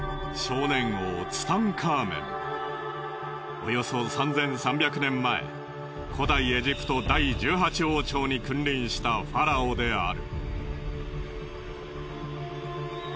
およそ３３００年前古代エジプト第１８王朝に君臨したファラオである。